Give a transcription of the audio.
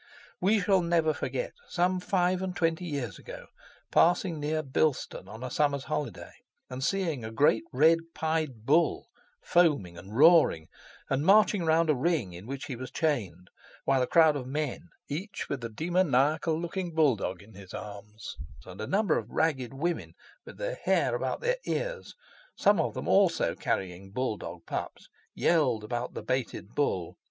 We shall never forget, some five and twenty years ago, passing near Bilston on a summer's holiday, and seeing a great red, pied bull foaming, and roaring, and marching round a ring in which he was chained, while a crowd of men, each with a demoniacal looking bulldog in his arms, and a number of ragged women, with their hair about their ears, some of them also carrying bull dog pups, yelled about the baited bull.